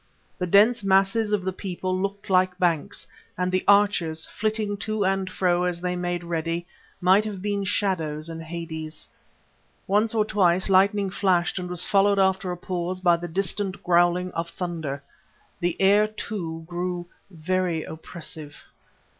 The dense masses of the people looked like banks, and the archers, flitting to and fro as they made ready, might have been shadows in Hades. Once or twice lightning flashed and was followed after a pause by the distant growling of thunder. The air, too, grew very oppressive.